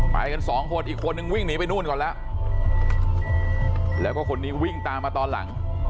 ไปกันสองคนอีกคนนึงวิ่งหนีไปนู่นก่อนแล้วแล้วก็คนนี้วิ่งตามมาตอนหลัง